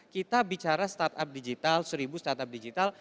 kita bicara startup digital seribu startup digital